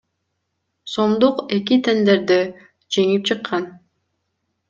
сомдук эки тендерде жеңип чыккан.